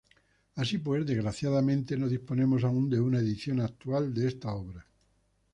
Así pues, desgraciadamente, no disponemos aún de una edición actual de esta obra.